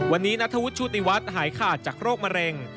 วันนี้นัทธวุฒิชุติวัฒน์หายขาดจากโรคมะเร็ง